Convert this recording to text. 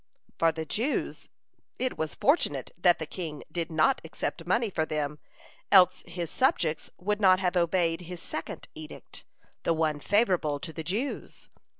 (116) For the Jews it was fortunate that the king did not accept money for them, else his subjects would not have obeyed his second edict, the one favorable to the Jews.